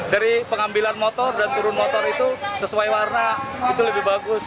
dari pengambilan motor dan turun motor itu sesuai warna itu lebih bagus